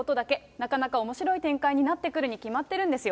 なかなかおもしろい展開になってくるに決まっているんですよ。